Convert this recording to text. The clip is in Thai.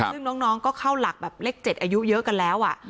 ซึ่งน้องก็เข้าหลักแบบเลข๗อายุเยอะกันแล้ว